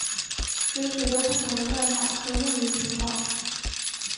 有许多不同的算法可用于平滑。